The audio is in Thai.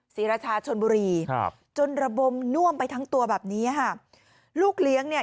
ศรีราชาชนบุรีครับจนระบมน่วมไปทั้งตัวแบบนี้ค่ะลูกเลี้ยงเนี่ย